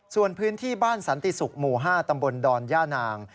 ส่วนพื้นที่บ้านสันติศุกร์หมู่๕ตำบลดอนย่านาง